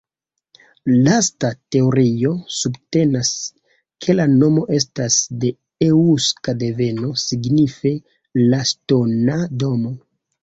Lasta teorio subtenas ke la nomo estas de eŭska deveno, signife "la ŝtona domo".